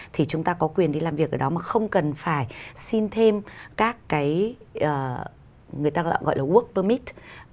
thì chúng ta có quyền đi làm việc ở đó mà không cần phải xin thêm các cái người ta gọi là work permit